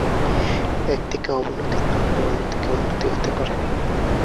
এক দিকে অবনতি না হলে অন্যদিকে উন্নতি হতে পারে না।